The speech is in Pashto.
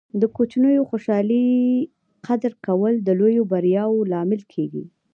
د کوچنیو خوشحالۍو قدر کول د لویو بریاوو لامل کیږي.